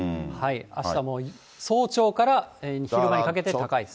あしたも早朝から昼間にかけて高いです。